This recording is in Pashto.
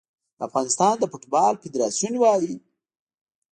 د افغانستان د فوټبال فدراسیون وايي